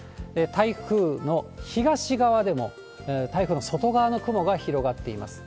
台風の東側でも台風の外側の雲が広がっています。